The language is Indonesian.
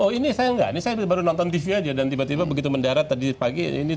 oh ini saya enggak ini saya baru nonton tv aja dan tiba tiba begitu mendarat tadi pagi ini